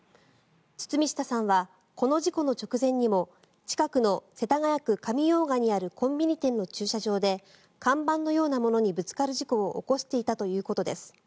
堤下さんはこの事故の直前にも近くの世田谷区上用賀にあるコンビニ店の駐車場で看板のようなものにぶつかる事故を起こしていたということです。